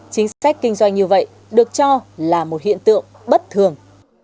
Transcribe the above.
chính sách kinh doanh như vậy được cho là một hiện tượng bất thường